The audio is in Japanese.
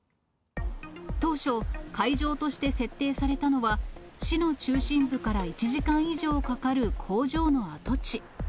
当初、会場として設定されたのは、市の中心部から１時間以上かかる工場の跡地。